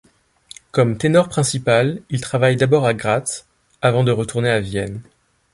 Comme ténor principal, il travaille d'abord à Graz avant de retourner à Vienne.